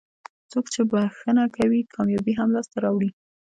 څوک چې بښنه کوي کامیابي هم لاسته راوړي.